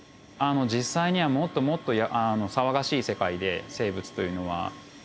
実際にはもっともっと騒がしい世界で生物というのは。